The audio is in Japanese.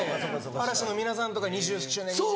嵐の皆さんとか２０周年２５周年。